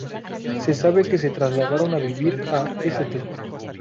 Se sabe que se trasladaron a vivir a St.